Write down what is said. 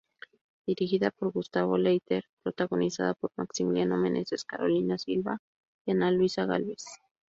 Dirigida por Gustavo Letelier, protagonizada por Maximiliano Meneses, Carolina Silva y Ana Luisa Gálvez.